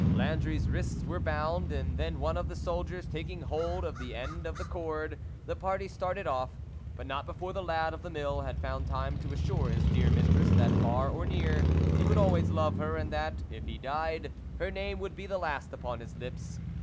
Landry's wrists were bound, and then one of the soldiers taking hold of the end of the cord, the party started off, but not before the lad of the mill had found time to assure his dear mistress, that far or near, he would always love her, and that, if he died, her name would be the last upon his lips.